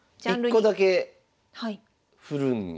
１個だけ振るんや。